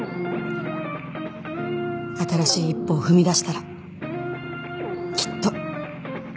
新しい一歩を踏み出したらきっと。